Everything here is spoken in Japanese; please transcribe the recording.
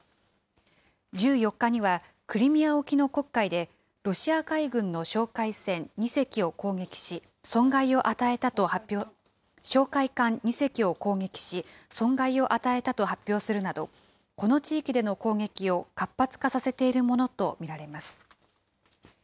１４日にはクリミア沖の黒海で、ロシア海軍の哨戒せん２隻を攻撃し、哨戒艦２隻を攻撃し損害を与えたと発表するなど、この地域での攻撃を活発化させているものと見られています。